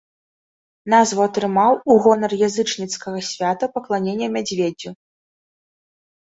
Назву атрымаў у гонар язычніцкага свята пакланення мядзведзю.